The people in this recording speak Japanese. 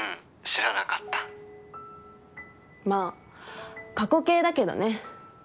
まあ、過去形だけどね。